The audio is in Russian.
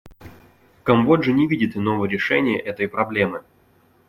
Камбоджа не видит иного решения этой проблемы.